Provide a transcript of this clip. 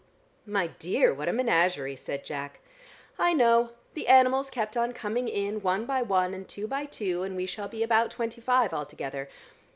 "My dear, what a menagerie," said Jack. "I know: the animals kept on coming in one by one and two by two, and we shall be about twenty five altogether.